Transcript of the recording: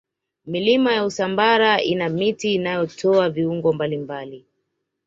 milima ya usambara ina miti inayotoa viungo mbalimbali